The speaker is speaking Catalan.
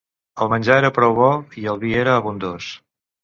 El menjar era prou bo, i el vi era abundós.